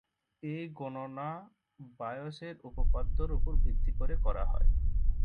এই গণনা বায়েসের উপপাদ্য উপর ভিত্তি করে করা হয়।